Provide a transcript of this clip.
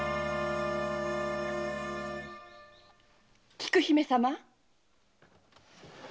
・菊姫様。